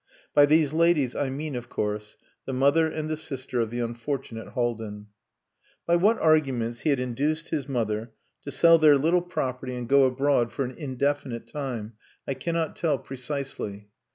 By "these ladies" I mean, of course, the mother and the sister of the unfortunate Haldin. By what arguments he had induced his mother to sell their little property and go abroad for an indefinite time, I cannot tell precisely.